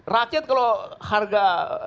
rakyat kalau harga